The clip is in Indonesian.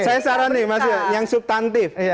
saya saran nih mas yang subtantif